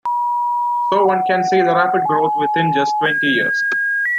So one can see the rapid growth within just twenty years.